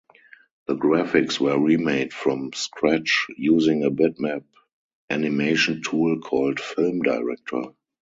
The graphics were remade from scratch using a bitmap animation tool called Film Director.